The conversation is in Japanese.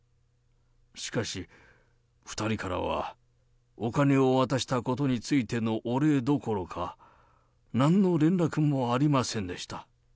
しかし、２人からはお金を渡したことについてのお礼どころか、なんの連絡もありませんでした。